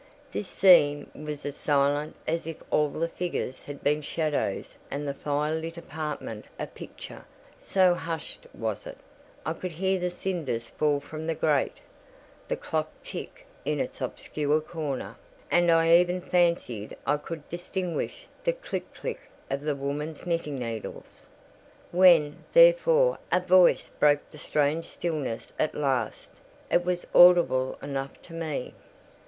This scene was as silent as if all the figures had been shadows and the firelit apartment a picture: so hushed was it, I could hear the cinders fall from the grate, the clock tick in its obscure corner; and I even fancied I could distinguish the click click of the woman's knitting needles. When, therefore, a voice broke the strange stillness at last, it was audible enough to me.